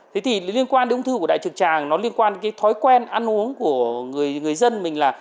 thế thì liên quan đến ung thư của đại trực tràng nó liên quan cái thói quen ăn uống của người dân mình là